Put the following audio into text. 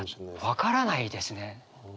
分からないですね。